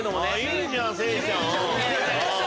いいじゃん聖ちゃん。